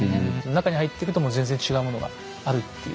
中に入っていくともう全然違うものがあるっていう。